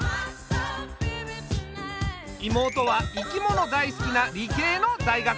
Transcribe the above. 妹は生き物大好きな理系の大学生。